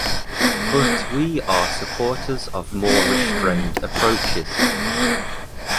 But we are supporters of more restrained approaches.